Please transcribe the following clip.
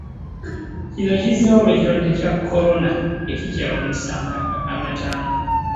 Kino kizzeewo olw'ekirwadde kya Corona ekikyawanise amatanga.